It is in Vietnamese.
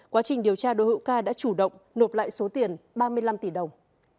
kinh điều tra đội hữu ca đã chủ động nộp lại số tiền ba mươi năm tỷ đồng